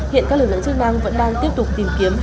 hiện các lực lượng chức năng vẫn đang tiếp tục tìm kiếm